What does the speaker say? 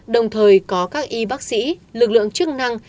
đồng thời có các y bác sĩ lực lượng chức năng